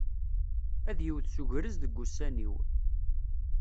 Ad yewwet s ugrez deg ussan-iw.